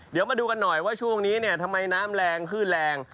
เดี๋ยวมาดูกันหน่อยว่าช่วงนี้เนี่ยทำไมน้ำแรงขึ้นแรง